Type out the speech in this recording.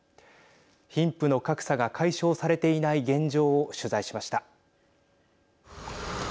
貧富の格差が解消されていない現状を取材しました。